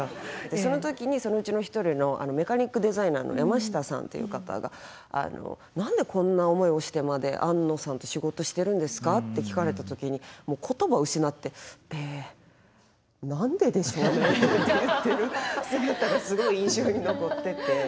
その時にそのうちの１人のメカニックデザイナーの山下さんっていう方が「何でそんな思いをしてまで庵野さんと仕事してるんですか？」って聞かれた時にもう言葉失って「えっ何ででしょうね」って言ってる姿がすごい印象に残ってて。